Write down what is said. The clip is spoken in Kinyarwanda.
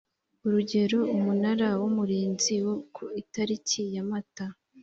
urugero umunara w umurinzi wo ku itariki ya mata